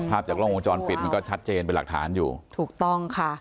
จากกล้องวงจรปิดมันก็ชัดเจนเป็นหลักฐานอยู่ถูกต้องค่ะ